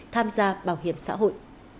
tham gia bảo hiểm xã hội